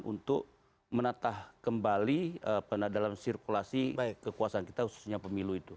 untuk menatah kembali dalam sirkulasi kekuasaan kita khususnya pemilu itu